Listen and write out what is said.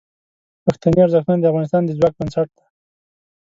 پښتني ارزښتونه د افغانستان د ځواک بنسټ دي.